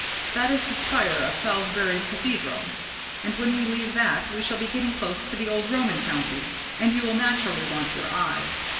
That is the spire of Salisbury Cathedral, and when we leave that we shall be getting close to the old Roman county, and you will naturally want your eyes.